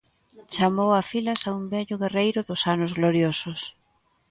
Chamou a filas a un vello guerreiro dos anos gloriosos.